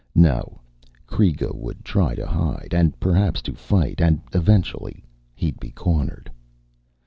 No, Kreega would try to hide, and perhaps to fight, and eventually he'd be cornered.